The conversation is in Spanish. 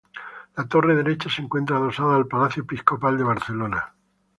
La torre derecha se encuentra adosada al Palacio Episcopal de Barcelona.